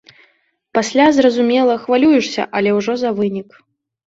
Пасля, зразумела, хвалюешся, але ўжо за вынік.